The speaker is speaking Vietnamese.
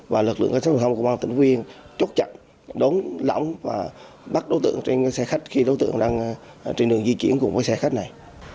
và lực lượng cảnh sát hình sự công an tỉnh phú yên chốt chặt đón lõng và bắt đối tượng trên xe khách khi đối tượng đang trên đường di chuyển cùng với xe khách này